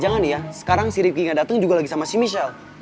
jangan jangan ya sekarang si riffky gak dateng juga lagi sama si michelle